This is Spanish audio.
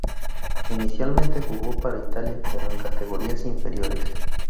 Inicialmente jugó para Italia, pero en categorías inferiores.